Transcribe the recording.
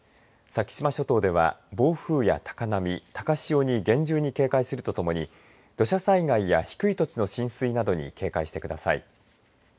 先島諸島では暴風や高波高潮に厳重に警戒するとともに土砂災害や低い土地の浸水などに警戒してください。